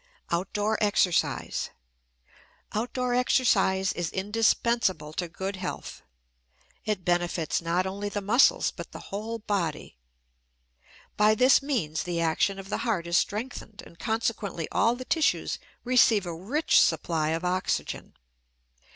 OUTDOOR EXERCISE. Outdoor exercise is indispensable to good health. It benefits not only the muscles, but the whole body. By this means the action of the heart is strengthened, and consequently all the tissues receive a rich supply of oxygen.